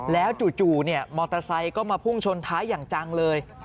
แล้วจู่มอเตอร์ไซค์ก็มาพุ่งชนท้ายอย่างจังเลย